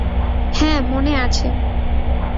হ্যাঁ মনে আছে।